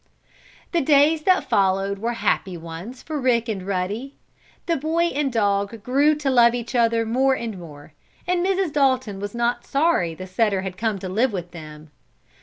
The days that followed were happy ones for Rick and Ruddy. The boy and dog grew to love each other more and more, and Mrs. Dalton was not sorry the setter had come to live with them.